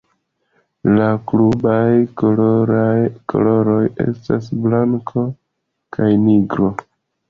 La klubaj koloroj estas blanko kaj nigro.